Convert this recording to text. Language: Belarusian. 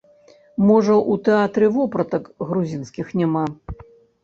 Можа, у тэатры вопратак грузінскіх няма.